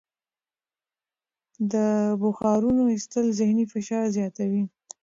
د بخارونو ایستل ذهني فشار زیاتوي.